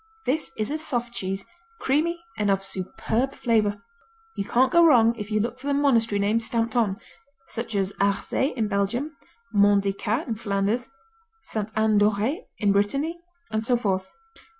This is a soft cheese, creamy and of superb flavor. You can't go wrong if you look for the monastery name stamped on, such as Harzé in Belgium, Mont des Cats in Flanders, Sainte Anne d'Auray in Brittany, and so forth.